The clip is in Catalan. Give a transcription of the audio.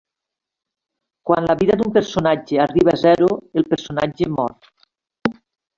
Quan la vida d'un personatge arriba a zero, el personatge mor.